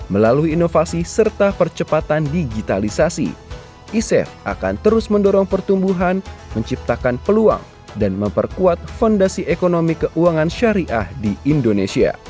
melalui inovasi serta percepatan digitalisasi icef akan terus mendorong pertumbuhan menciptakan peluang dan memperkuat fondasi ekonomi keuangan syariah di indonesia